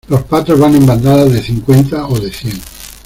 los patos van en bandadas de cincuenta o de cien